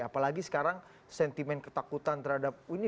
apalagi sekarang sentimen ketakutan terhadap ini